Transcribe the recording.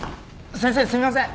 先生すいません。